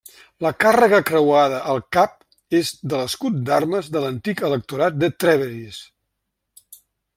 La càrrega creuada al cap és de l'escut d'armes de l'antic Electorat de Trèveris.